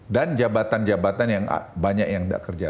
dan jabatan jabatan yang banyak yang nggak kerja